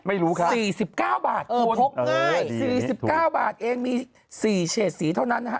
ไม่รู้ครับ๔๙บาทคุณพกง่าย๔๙บาทเองมี๔เฉดสีเท่านั้นนะฮะ